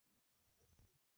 Simba অন্ধ কুকুর।